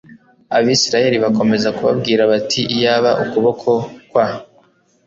Abisirayeli bakomeza kubabwira bati iyaba ukuboko kwa